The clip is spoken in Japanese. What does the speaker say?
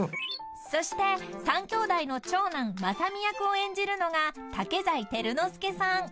［そして３兄弟の長男正海役を演じるのが竹財輝之助さん］